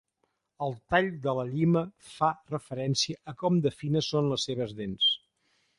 El "tall" de la llima fa referència a com de fines són les seves dents.